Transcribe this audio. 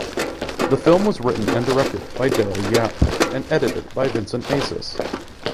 The film was written and directed by Darryl Yap and edited by Vincent Asis.